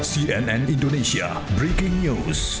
sampai jumpa di video selanjutnya